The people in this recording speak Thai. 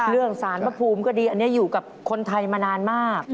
สารพระภูมิก็ดีอันนี้อยู่กับคนไทยมานานมาก